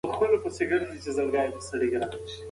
که چیرې ته حق غواړې، نو د ابوبکر او عمر لاره تعقیب کړه.